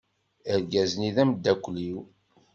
Argaz-nni d ameddakel-iw.